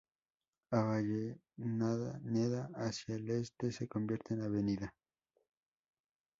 Avellaneda hacia el este se convierte en Av.